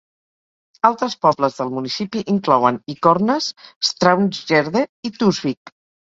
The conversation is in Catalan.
Altres pobles del municipi inclouen Ikornnes, Straumgjerde i Tusvik.